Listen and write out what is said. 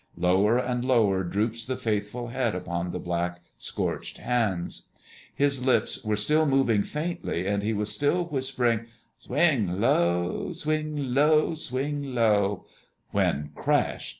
Lower and lower droops the faithful head upon the black, scorched hands. His lips were still moving faintly, and he was still whispering, "Swing low, swing low, swing low," when CRASH!